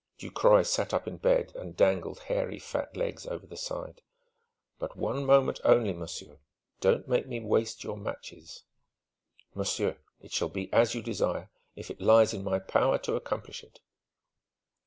Ducroy sat up in bed and dangled hairy fat legs over the side. "But one moment only, monsieur. Don't make me waste your matches!" "Monsieur, it shall be as you desire, if it lies in my power to accomplish it."